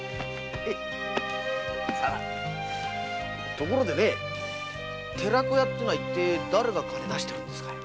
ところで寺子屋ってだれが金を出してるんですかい？